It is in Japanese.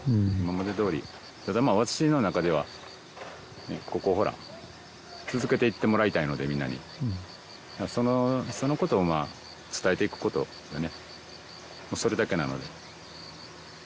ただまぁ私の中ではここをほら続けていってもらいたいのでみんなにそのことを伝えていくことがね